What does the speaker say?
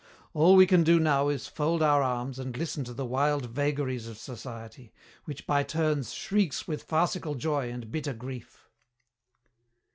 All we can do now is fold our arms and listen to the wild vagaries of society, which by turns shrieks with farcical joy and bitter grief."